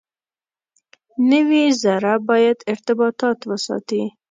نوي زره باید ارتباطات وساتي.